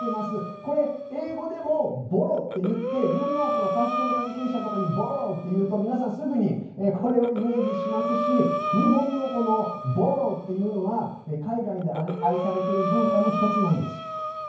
これ英語でもＢＯＲＯって言ってニューヨークのファッション関係者とかにＢＯＲＯって言うと皆さん、すぐにこれをイメージしますし日本の、このボロっていうのは海外で愛されてる文化の１つなんです。